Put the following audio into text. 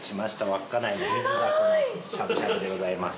稚内の水ダコのしゃぶしゃぶでございます。